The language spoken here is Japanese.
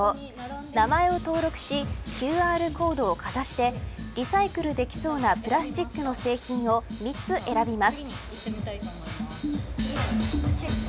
名前を登録しＱＲコードをかざしてリサイクルできそうなプラスチックの製品を３つ選びます。